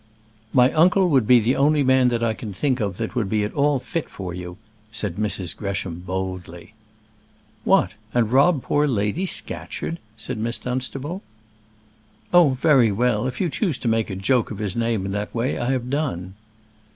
"My uncle would be the only man that I can think of that would be at all fit for you," said Mrs. Gresham, boldly. "What, and rob poor Lady Scatcherd!" said Miss Dunstable. "Oh, very well. If you choose to make a joke of his name in that way, I have done."